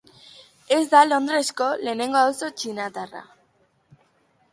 Ez da Londresko lehenengo auzo txinatarra.